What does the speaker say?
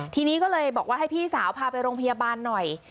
ทีนี้ก็เลยบอกว่าให้พี่สาวพาไปโรงพยาบาลหน่อย